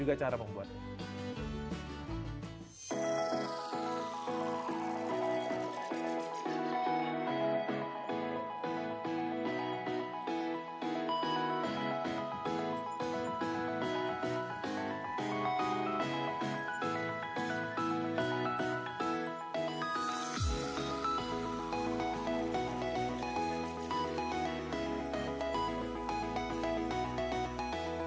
sekarang kita coba